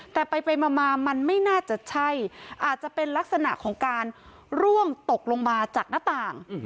แต่ไปมามันไม่น่าจะใช่อาจจะเป็นลักษณะของการร่วงตกลงมาจากหน้าต่าง